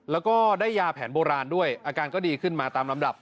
แล้วก็ได้ยาแผนโบราณด้วยอาการก็ดีขึ้นมาตามลำดับ